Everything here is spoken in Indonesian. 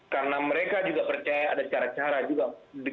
karena mereka juga percaya ada cara cara juga